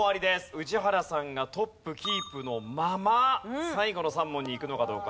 宇治原さんがトップキープのまま最後の３問にいくのかどうか。